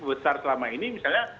besar selama ini misalnya